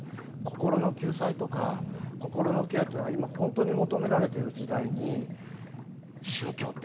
とりわけ心の救済とか、心のケアというのは本当に求められている時代に宗教って